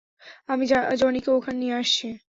আমি জনিকে ওখানে নিয়ে আসছি।